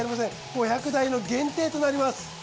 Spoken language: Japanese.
５００台の限定となります。